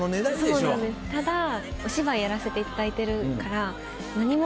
ただお芝居やらせていただいてるから。